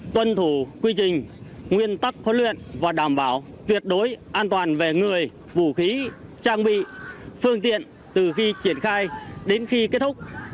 tuân thủ quy trình nguyên tắc huấn luyện và đảm bảo tuyệt đối an toàn về người vũ khí trang bị phương tiện từ khi triển khai đến khi kết thúc